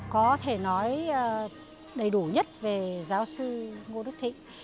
có thể nói đầy đủ nhất về giáo sư ngô đức thịnh